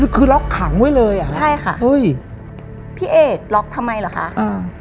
คือล็อกขังไว้เลยอ่ะใช่ค่ะเฮ้ยพี่เอกล็อกทำไมเหรอคะอืม